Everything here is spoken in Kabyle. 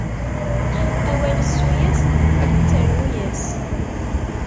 Awal, ssu-yas di tidet, rrnu-yas.